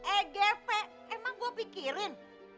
eh gp emang gue pikirin